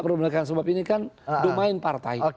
perubahan sebab ini kan domain partai